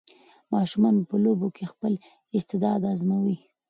ماشومان په لوبو کې خپل استعداد ازمويي.